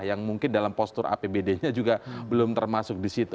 yang mungkin dalam postur apbd nya juga belum termasuk di situ